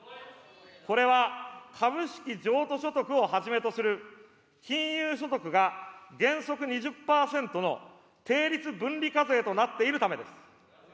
これは株式譲渡所得をはじめとする金融所得が、原則２０％の定率分離課税となっているためです。